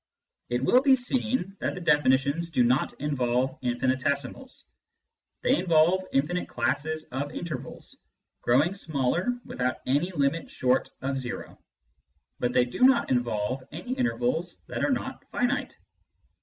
It will be seen that the definitions do not involve infinitesimals. They involve infinite classes of intervals, growing smaller without any limit short of zero, but they do not involve any intervals that are not finite.